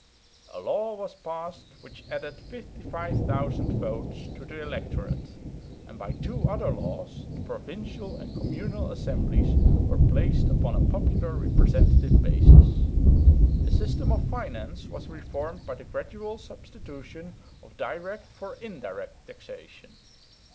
A law was passed which added 55,000 votes to the electorate; and by two other laws the provincial and communal assemblies were placed upon a popular representative basis. The system of finance was reformed by the gradual substitution of direct for indirect taxation.